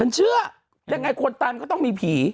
ฉันเชื่อยังไงคนตามก็ต้องมีผี